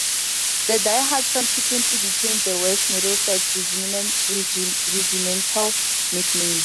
The 'Die Hards' subsequently became the West Middlesex's regimental nickname.